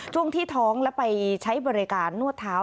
ช่วงที่ท้องแล้วไปใช้บริการนวดเท้า